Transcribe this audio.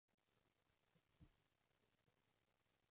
淨係取消安心都好吖